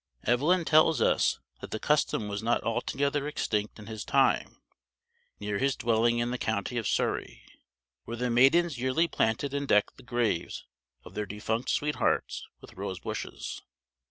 Evelyn tells us that the custom was not altogether extinct in his time, near his dwelling in the county of Surrey, "where the maidens yearly planted and decked the graves of their defunct sweethearts with rose bushes."